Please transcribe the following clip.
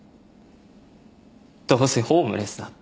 どうせホームレスだって。